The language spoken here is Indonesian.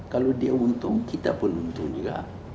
kalau dia untung kita pun untung juga